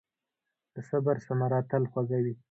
د صبر ثمره تل خوږه وي.